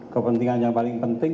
kepentingan yang paling penting